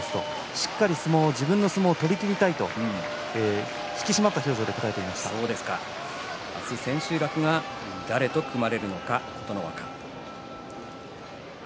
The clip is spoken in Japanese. しっかり自分の相撲を取りきりたいと引き締まった表情で明日、千秋楽は誰と組まれるのか琴ノ若。